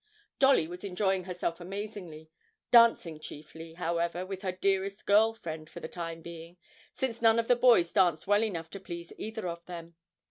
Dolly was enjoying herself amazingly, dancing chiefly, however, with her dearest girl friend for the time being, since none of the boys danced well enough to please either of them.